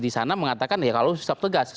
di sana mengatakan ya kalau tetap tegas